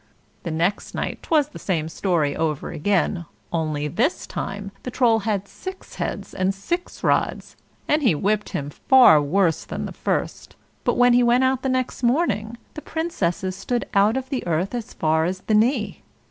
The next night 'twas the same story over again, only this time the Troll had six heads and six rods, and he whipped him far worse than the first; but when he went out next morning, the Princesses stood out of the earth as far as the knee.